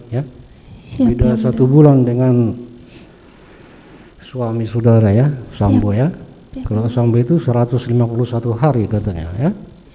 ya beda satu bulan dengan suami saudara ya sambo ya kalau sambo itu satu ratus lima puluh satu hari katanya ya